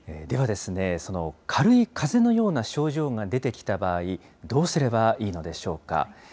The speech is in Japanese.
ではですね、その軽いかぜのような症状が出てきた場合、どうすればいいのでしょうか。